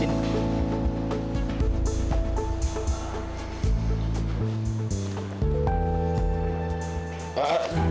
nanti aku lanjutin